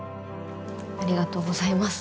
ありがとうございます。